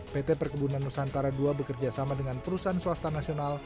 pt perkebunan nusantara ii bekerjasama dengan perusahaan swasta nasional